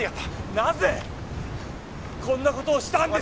なぜこんなことをしたんです？